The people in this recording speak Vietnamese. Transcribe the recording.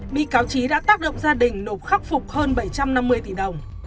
bị cáo trí đã tác động gia đình nộp khắc phục hơn bảy trăm năm mươi tỷ đồng